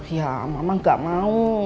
ya mama gak mau